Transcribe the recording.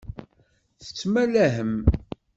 Tettmalahem.